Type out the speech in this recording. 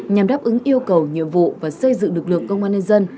nhằm đáp ứng yêu cầu nhiệm vụ và xây dựng lực lượng công an nhân dân